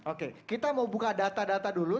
oke kita mau buka data data dulu